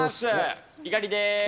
猪狩です。